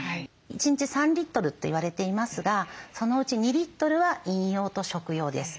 １日３リットルって言われていますがそのうち２リットルは飲用と食用です。